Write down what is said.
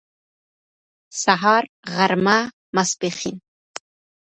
سهار غرمه ماسپښين